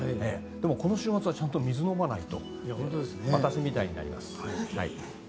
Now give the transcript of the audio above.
でもこの週末は水を飲まないと私みたいになります。